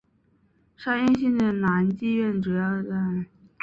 商业性的男妓院主要在素里翁路及它的横街。